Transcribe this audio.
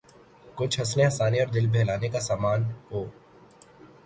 کچھ ہنسنے ہنسانے اور دل بہلانے کا سامان ہو۔